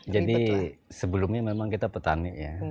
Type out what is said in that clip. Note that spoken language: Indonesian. jadi sebelumnya memang kita petani ya